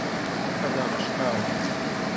ئەم پەرداخە شکاوە.